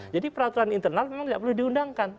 jadi peraturan internal memang tidak perlu diundangkan